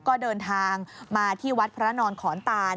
ก็เดินทางมาที่วัดพระนอนขอนตาน